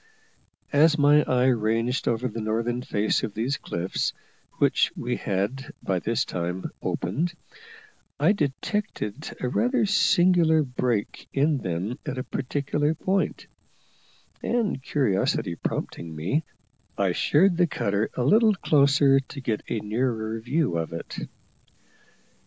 As my eye ranged over the northern face of these cliffs, which we had by this time opened, I detected a rather singular break in them at a particular point; and, curiosity prompting me, I sheered the cutter a little closer to get a nearer view of it.